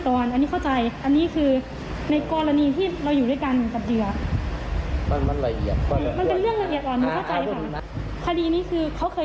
ขอบใจที่อะไรนะครู